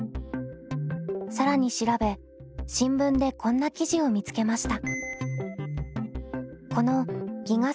更に調べ新聞でこんな記事を見つけました。